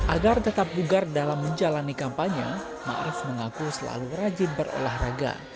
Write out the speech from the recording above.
agar tetap bugar dalam menjalani kampanye ma'ruf mengaku selalu rajin berolahraga